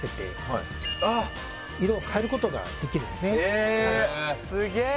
・へえ・すげえ！